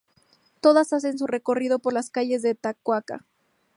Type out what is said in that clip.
Todas hacen su recorrido por las calles de Takaoka.